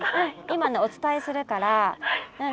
今ねお伝えするから。